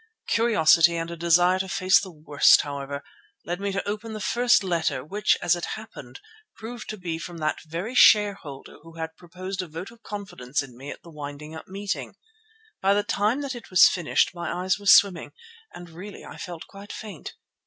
Curiosity and a desire to face the worst, however, led me to open the first letter which as it happened proved to be from that very shareholder who had proposed a vote of confidence in me at the winding up meeting. By the time that it was finished my eyes were swimming and really I felt quite faint.